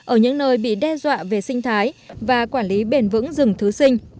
ở những nơi bị đe dọa về sinh thái và quản lý bền vững rừng thứ sinh